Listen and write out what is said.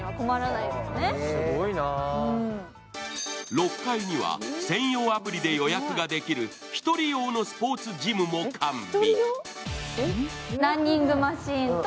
６階には専用アプリで予約ができる１人用のスポーツジムも完備。